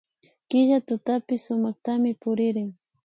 Killa tutapika sumaktami puririn